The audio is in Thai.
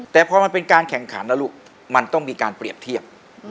แต่พอมันเป็นการแข่งขันนะลูกมันต้องมีการเปรียบเทียบ